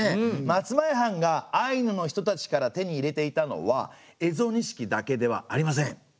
松前藩がアイヌの人たちから手に入れていたのは蝦夷錦だけではありません。